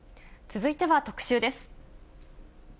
続いては特集です。